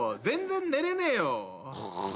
全然寝れねえよ。